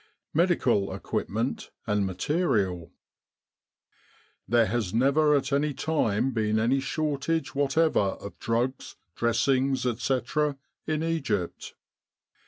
MEDICAL EQUIPMENT AND MATERIAL "There has never at any time been any shortage whatever of drugs, dressings, etc., in Egypt."